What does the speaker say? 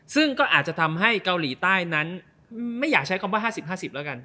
ซึ่งก็อาจจะทำให้เกาหลีใต้นั้นไม่อยากใช้คำว่า๕๐๕๐แล้วกัน